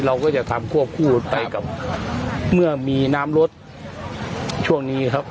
เราก็จะทำควบคู่ไปกับเมื่อมีน้ำลดช่วงนี้ครับ